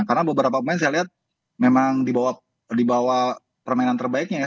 karena beberapa pemain saya lihat memang dibawa permainan terbaiknya ya